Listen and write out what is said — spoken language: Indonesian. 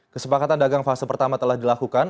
kesepakatan dagang fase pertama telah dilakukan